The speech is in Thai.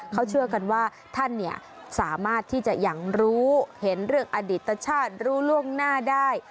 เขาเชื่อกันว่าท่านสามารถที่จะอย่างรู้เห็นเรื่องอดิตชาติรู้ล่วงหน้าได้